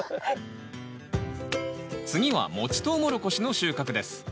次はもちトウモロコシの収穫です。